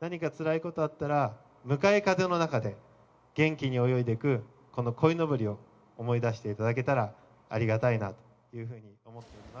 何かつらいことあったら、向かい風の中で、元気に泳いでいく、このこいのぼりを思い出していただけたらありがたいなというふうに思っています。